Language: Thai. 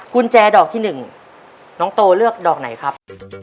กุญแจดอกที่๑น้องโตเลือกดอกไหนครับ